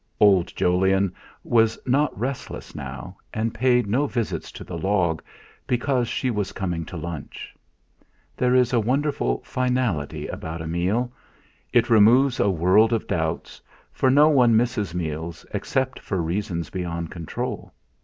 Old Jolyon was not restless now, and paid no visits to the log, because she was coming to lunch. There is wonderful finality about a meal; it removes a world of doubts, for no one misses meals except for reasons beyond control.